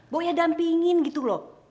boya dampingin gitu loh